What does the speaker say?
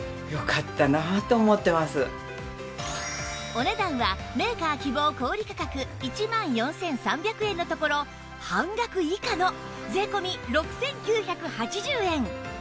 お値段はメーカー希望小売価格１万４３００円のところ半額以下の税込６９８０円